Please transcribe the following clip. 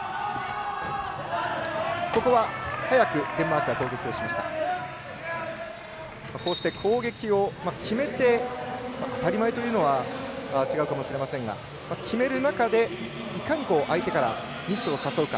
こうして攻撃を決めて当たり前というのは違うかもしれませんが決める中でいかに相手からミスを誘うか。